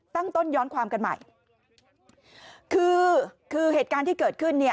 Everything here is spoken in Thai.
ตั้งต้นย้อนความกันใหม่คือคือเหตุการณ์ที่เกิดขึ้นเนี่ย